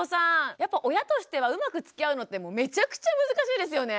やっぱ親としてはうまくつきあうのってめちゃくちゃ難しいですよね。